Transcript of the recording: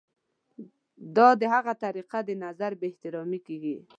دا د هغه د نظر بې احترامي کیږي.